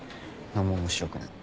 何も面白くない。